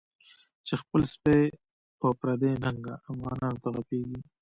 چی خپل سپی په پردی ننگه، افغانانوته غپیږی